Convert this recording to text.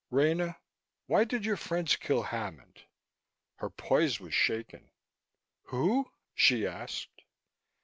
"Rena, why did your friends kill Hammond?" Her poise was shaken. "Who?" she asked.